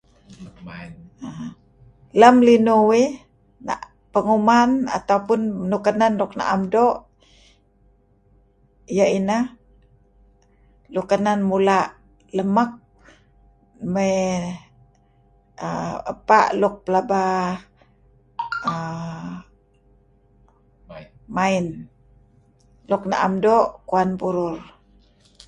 Lem linuh uih, [la'..] penguman ataupun nuk kenen nuk na'em doo' ,ieh ineh nuk kenen mula' lemek mey ebpa' luk ...pelaba aah main, luk na'em doo' kuan burur.